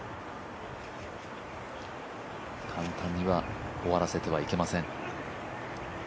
簡単には終わらせてはいけません。